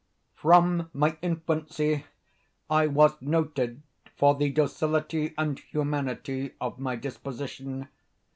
From my infancy I was noted for the docility and humanity of my disposition.